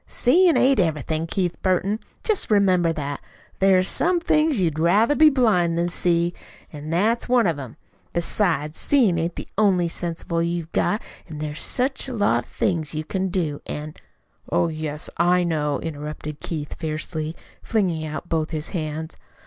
"Seein' ain't everything, Keith Burton. Jest remember that. There is some things you'd rather be blind than see. An' that's one of 'em. Besides, seein' ain't the only sensible you've got, an' there's such a lot of things you can do, an' " "Oh, yes, I know," interrupted Keith fiercely, flinging out both his hands.